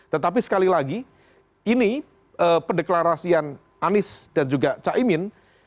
tetapi sekali lagi ini pendeklarasian anies dan juga caimin